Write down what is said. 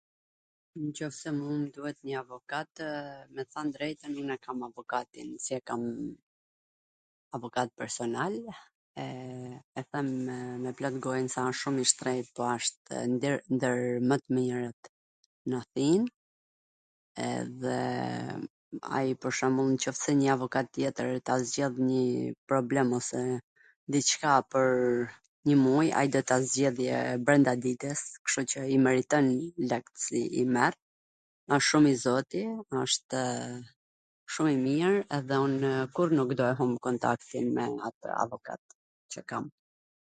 Nw qoft se mu m duhet njw avokatw, me than drejtwn un e kam avokatin, se kam avokat personal, e e them me plot gojwn se wsht shum i shtrenjt po wshtw ndwr mw t mirwt nw Athin, edhe ai pwr shwmbull, nw qoft se njw avokat tjetwr ta zgjidh nji problem ose dicka pwr nji muj, ai do ta zgjidhi brwnda ditws, kshtu qw i meriton lekt qw merr, wsht shum i zoti, wshtw shum i mir edhe unw kurr nuk do humb kontaktin me atw avokat qw kam.